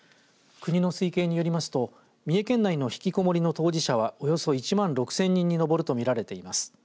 国の推計によりますと三重県内の引きこもりの当事者はおよそ１万６０００人に上ると見られています。